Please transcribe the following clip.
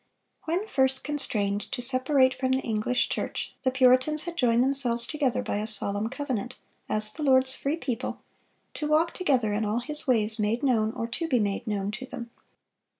When first constrained to separate from the English Church, the Puritans had joined themselves together by a solemn covenant, as the Lord's free people, "to walk together in all His ways made known or to be made known to them."